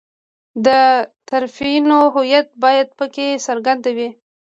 د طرفینو هویت باید په کې څرګند وي.